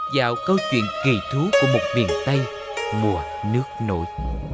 vào câu chuyện kỳ thú của một miền tây mùa nước nổi